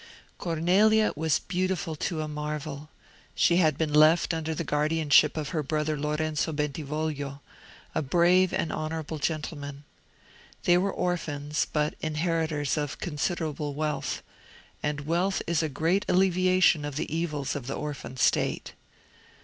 Cornelia was beautiful to a marvel; she had been left under the guardianship of her brother Lorenzo Bentivoglio, a brave and honourable gentleman. They were orphans, but inheritors of considerable wealth—and wealth is a great alleviation of the evils of the orphan state.